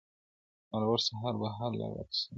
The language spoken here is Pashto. مرور سهار به هله راستنېږي-